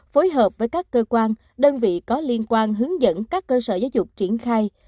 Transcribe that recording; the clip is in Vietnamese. phối hợp với các cơ quan đơn vị có liên quan hướng dẫn các cơ sở giáo dục triển khai